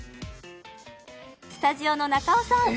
スタジオの中尾さん